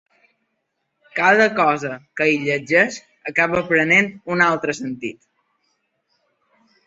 Cada cosa que hi llegeix acaba prenent un altre sentit.